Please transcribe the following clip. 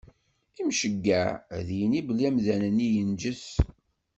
Imceyyeɛ ad yini belli amdan-nni yenǧes.